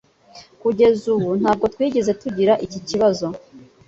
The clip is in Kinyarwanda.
Kugeza ubu ntabwo twigeze tugira iki kibazo